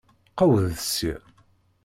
Qewwdet sya!